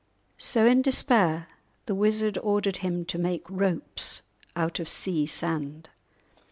So in despair the wizard ordered him to make ropes out of sea sand!